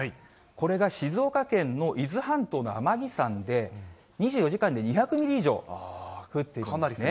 これが静岡県の伊豆半島の天城山で、２４時間で２００ミリ以上降っている。